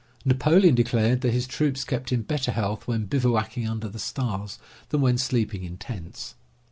Napoleon declared that his troops kept in better health when bivouacking under the stars than when sleeping in tents.